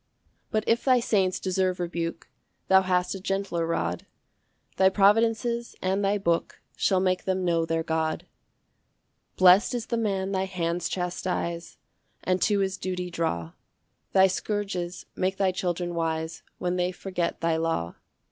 4 But if thy saints deserve rebuke, Thou hast a gentler rod; Thy providences and thy book Shall make them know their God. 5 Blest is the man thy hands chastise, And to his duty draw; Thy scourges make thy children wise When they forget thy law.